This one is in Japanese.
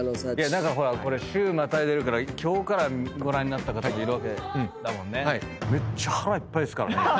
これ週またいでるから今日からご覧になった方もいるわけだもんね。